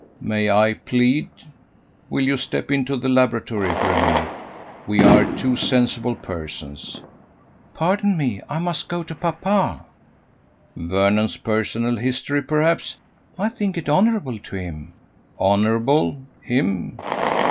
May I plead? Will you step into the laboratory for a minute? We are two sensible persons ..." "Pardon me, I must go to papa." "Vernon's personal history, perhaps ..." "I think it honourable to him." "Honourable! 'hem!"